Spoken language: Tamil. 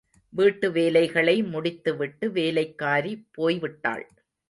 வீட்டு வேலைகளை முடித்து விட்டு வேலைக்காரி போய் விட்டாள்.